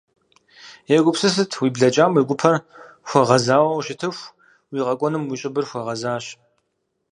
Егупсысыт: уи блэкӏам уи гупэр хуэгъэзауэ ущытыху, уи къэкӏуэнум уи щӏыбыр хуэгъэзащ.